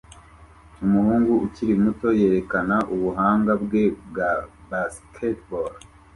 Umuhungu ukiri muto yerekana ubuhanga bwe bwa basketball